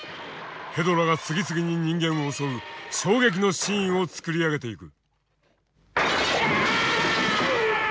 ヘドラが次々に人間を襲う衝撃のシーンを作り上げていく。